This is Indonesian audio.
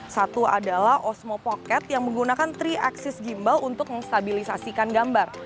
satu adalah osmo pocket yang menggunakan tiga xis gimbal untuk menstabilisasikan gambar